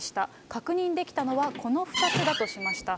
確認できたのは、この２つだとしました。